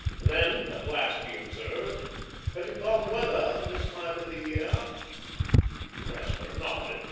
Then at last he observed: "Pretty bum weather for this time of the year." Cressler nodded.